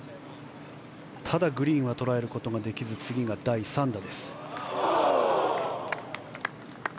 ただグリーンは捉えることができず次が第３打。